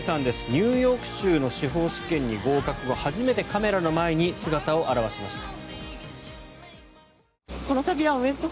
ニューヨーク州の司法試験に合格後初めてカメラの前に姿を現しました。